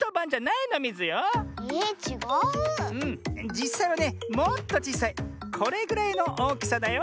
じっさいはねもっとちいさいこれぐらいのおおきさだよ。